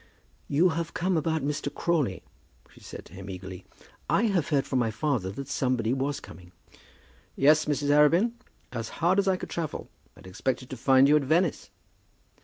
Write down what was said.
"You have come about Mr. Crawley?" she said to him, eagerly. "I have heard from my father that somebody was coming." "Yes, Mrs. Arabin; as hard as I could travel. I had expected to find you at Venice."